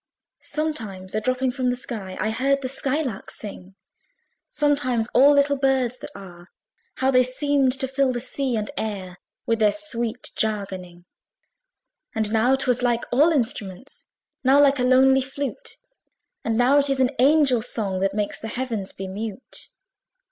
Sometimes a dropping from the sky I heard the sky lark sing; Sometimes all little birds that are, How they seemed to fill the sea and air With their sweet jargoning! And now 'twas like all instruments, Now like a lonely flute; And now it is an angel's song, That makes the Heavens be mute.